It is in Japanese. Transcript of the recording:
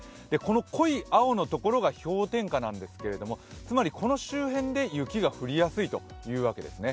濃い青のところが氷点下なんですけどこの周辺で雪が降りやすいというわけですね。